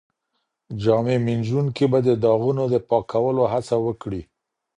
جامي مینځونکی به د داغونو د پاکولو هڅه وکړي.